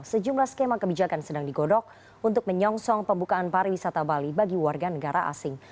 sejumlah skema kebijakan sedang digodok untuk menyongsong pembukaan pariwisata bali bagi warga negara asing